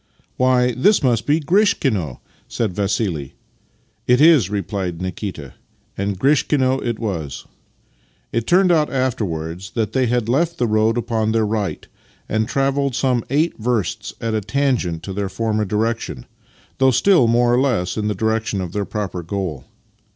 " Why, this must be Grishkino," said Vassih. " It is," replied Nikita: and Grishkino it was. It turned out afterwards that they had left the road upon their right, and travelled some eight versts at a tangent to their former direction — though still more or less in the direction of their proper goal.